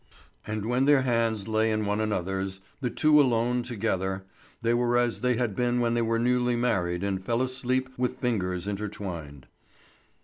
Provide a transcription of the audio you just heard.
And when their hands lay in one another's the two alone together they were as they had been when they were newly married and fell asleep with fingers intertwined.